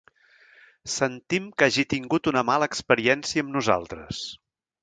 Sentim que hagi tingut una mala experiència amb nosaltres.